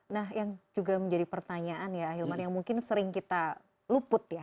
nah yang juga menjadi pertanyaan ya ahilman yang mungkin sering kita luput ya